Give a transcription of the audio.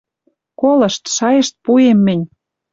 Колышт, шайышт пуэм мӹнь.